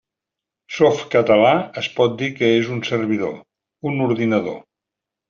Softcatalà es pot dir que és un servidor, un ordinador.